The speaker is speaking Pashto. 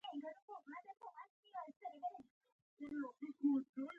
زوی ته يې وکتل.